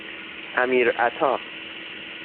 امیرعطا